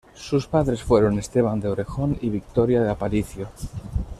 Sus padres fueron Esteban de Orejón y Victoria de Aparicio.